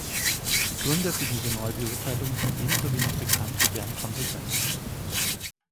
Die Gründe für diese Neubeurteilung sind ebenso wenig bekannt wie deren Konsequenzen.